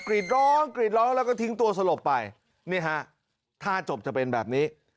กรีดร้องแล้วก็ทิ้งตัวสลบไปนี่ฮะท่าจบจะเป็นแบบนี้